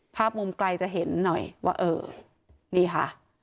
ภาพมุมไกลจะเห็นหน่อยว่าเออนี่ค่ะ